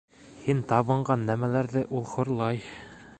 Һин табынған нәмәләрҙе ул хурлай.